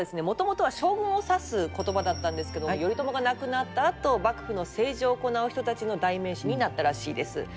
もともとは将軍を指す言葉だったんですけども頼朝が亡くなったあと幕府の政治を行う人たちの代名詞になったらしいです。